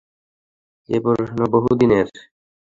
এ প্রশ্ন বহুদিনের।